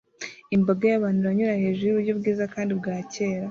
Imbaga y'abantu iranyura hejuru yuburyo bwiza kandi bwa kera